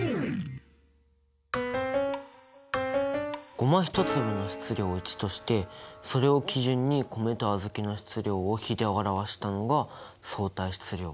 ゴマ１粒の質量を１としてそれを基準に米と小豆の質量を比で表したのが相対質量。